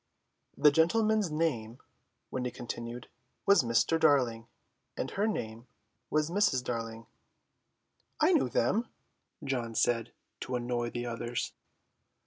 "The gentleman's name," Wendy continued, "was Mr. Darling, and her name was Mrs. Darling." "I knew them," John said, to annoy the others.